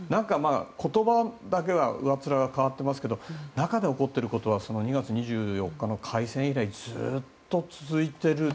言葉の上っ面だけが変わってますけど中で起こってることは２月２４日の開戦以来ずっと、続いている。